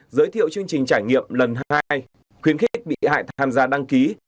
giới thiệu chương trình trải nghiệm lần hai khuyến khích bị hại tham gia đăng ký